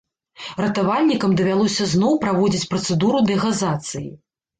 Ратавальнікам давялося зноў праводзіць працэдуру дэгазацыі.